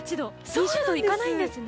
２０度行かないんですね。